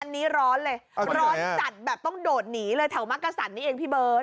อันนี้ร้อนเลยร้อนจัดแบบต้องโดดหนีเลยแถวมักกะสันนี่เองพี่เบิร์ต